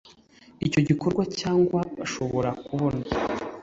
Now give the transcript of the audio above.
icyo gikorwa cyangwa ashobora kubona